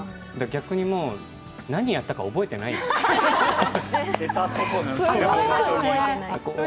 逆にもう、何やったか覚えてないという。